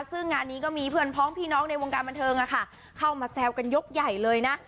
ซึ่งงานนี้ก็มีเพื่อนพ้องพี่น้องในวงการบันเทิงเข้ามาแซวกันยกใหญ่เลยนะ